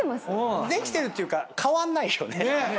できてるっていうか変わんないよね。